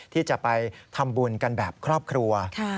ที่จะไปทำบุญกันแบบครอบครัว